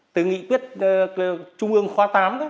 từ nghị quyết trung ương khoa tám